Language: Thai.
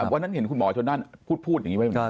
วันนั้นเห็นคุณหมอชนด้านพูดอย่างนี้ไหม